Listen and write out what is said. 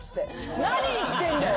何言ってんだよ！